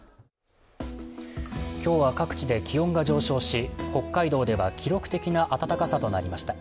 今日は各地で気温が上昇し、北海道では記録的な暖かさとなりました。